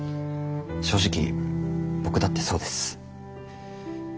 正直僕だってそうです。